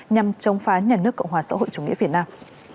nhằm chống phá nhà nước cộng hòa xã hội chủ nghĩa việt nam